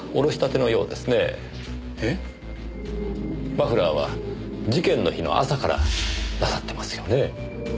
マフラーは事件の日の朝からなさってますよね？